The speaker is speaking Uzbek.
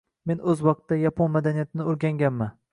Men oʻz vaqtida Yapon madaniyatini oʻrganganman